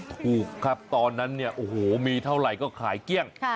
ถูกครับตอนนั้นเนี่ยโอ้โหมีเท่าไหร่ก็ขายเกลี้ยง